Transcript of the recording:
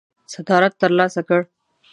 صدارت ترلاسه کړ.